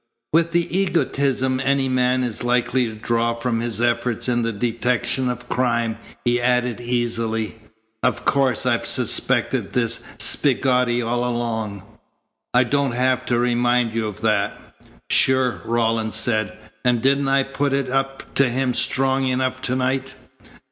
With the egotism any man is likely to draw from his efforts in the detection of crime he added easily: "Of course I've suspected this spigotty all along. I don't have to remind you of that." "Sure," Rawlins said. "And didn't I put it up to him strong enough to night?"